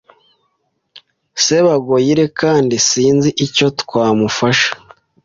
Sebagoyire kandi sinzi icyo twamufasha